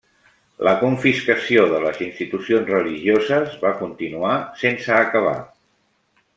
La confiscació de les institucions religioses va continuar sense acabar.